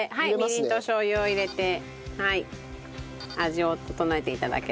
みりんとしょう油を入れて味を調えて頂ければ。